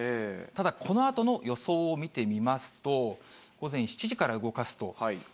ただ、このあとの予想を見てみますと、午前７時から動かすと。